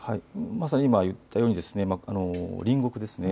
まさに今、言ったように隣国ですね。